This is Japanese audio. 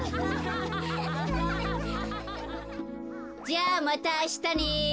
じゃあまたあしたね。